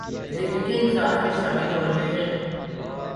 تحریک انصاف میں شامل ہورہےہیں